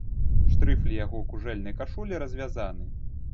Штрыфлі яго кужэльнай кашулі развязаны.